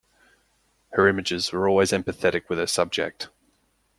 Her images were always empathetic with her subject.